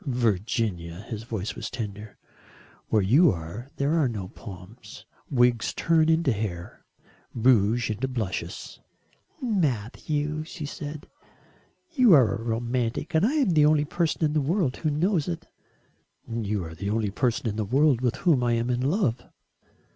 "Virginia," his voice was tender, "where you are there are no more palms, wigs turn into hair, rouge into blushes " "Matthew," she said, "you are a romantic and I am the only person in the world who knows it." "You are the only person in the world with whom I am in love."